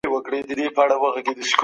هغه د غالب دیوان په دقت سره ګوري.